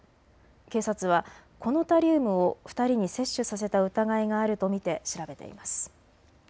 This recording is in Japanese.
警察はこのタリウムを２人に摂取させた疑いがあると見て調べています。